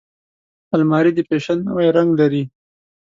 الماري د فیشن نوی رنګ لري